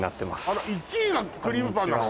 あら１位がクリームパンなの？